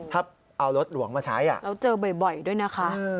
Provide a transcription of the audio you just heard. ถ้าเอารถหลวงมาใช้แล้วเจอบ่อยด้วยนะคะ